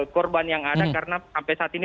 korban yang ada karena sampai saat ini